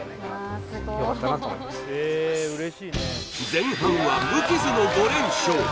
前半戦は無傷の５連勝